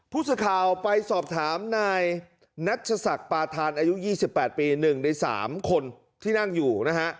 ผู้สื่อข่าวไปสอบถามนายนัชศักดิ์ปาธานอายุ๒๘ปี๑ใน๓คนที่นั่งอยู่นะฮะ